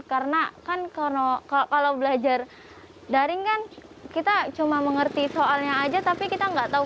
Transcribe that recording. karena kan kalau kalau belajar daring kan kita cuma mengerti soalnya aja tapi kita enggak tahu